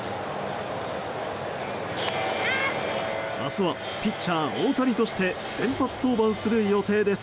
明日はピッチャー大谷として先発登板する予定です。